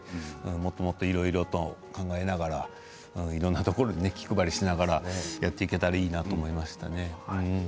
もっともっといろいろと考えながらいろんなところに気配りしながらやっていけたらいいなと思いましたね。